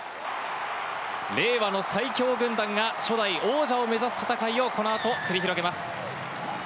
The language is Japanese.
令和の最強軍団が初代王者を目指す戦いをこの後、繰り広げます。